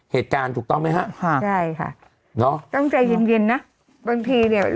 เหตุการณ์ถูกต้องไหมฮะค่ะใช่ค่ะเนอะต้องใจเย็นเย็นนะบางทีเนี้ย